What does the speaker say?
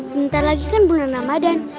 bentar lagi kan bulan ramadan